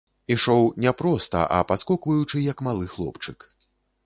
Ішоў не проста, а падскокваючы, як малы хлопчык.